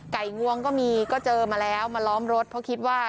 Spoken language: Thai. งวงก็มีก็เจอมาแล้วมาล้อมรถเพราะคิดว่า